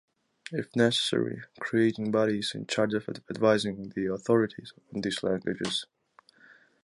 If necessary, creating bodies in charge of advising the authorities on these languages.